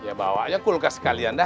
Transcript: dia bawa aja kulkas sekalian dah